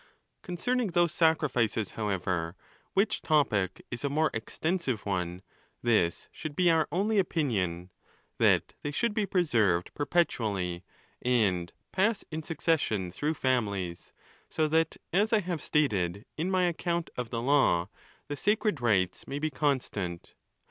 sa Concerning those sacrifices however, which topic is a more extensive one, this should be our only opinion: that they should be preserved perpetually,—and pass in succession through families, so that, as I have stated in my account of the law, the sacred rites may be constant.